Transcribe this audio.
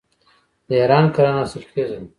د ایران کرنه حاصلخیزه ده.